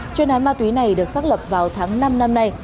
chuyên án ma túy này được xác lập vào tháng năm năm nay